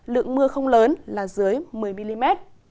lượng mưa không lớn là dưới một mươi mm